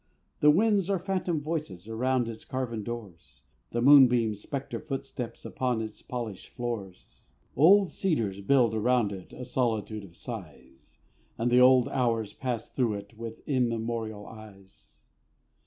The winds are phantom voices Around its carven doors; The moonbeams, specter footsteps Upon its polished floors. Old cedars build around it A solitude of sighs; And the old hours pass through it With immemorial eyes.